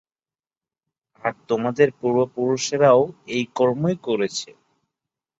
আর তোমাদের পূর্ব-পুরুষরাও এই কর্মই করেছে।